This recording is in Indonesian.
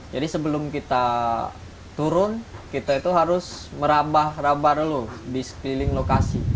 jadi sebelum kita turun kita itu harus merambah rambah dulu di sekeliling lokasi